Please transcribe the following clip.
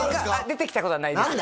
出てきたことはないです